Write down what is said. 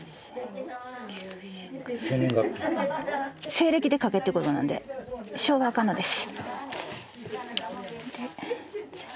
西暦で書けってことなんで「昭和」はあかんのです。